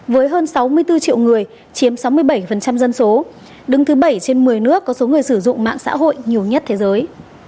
với hơn sáu mươi bốn triệu người chiếm sáu mươi bảy dân số đứng thứ bảy trên một mươi nước có số người sử dụng mạng xã hội nhiều nhất thế giới